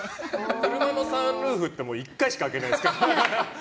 車のサンルーフって１回しか開けないですからね。